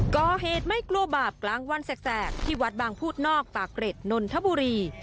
ก่อเหตุไม่กลัวบาปกลางวันแสกที่วัดบางพูดนอกปากเกร็ดนนทบุรี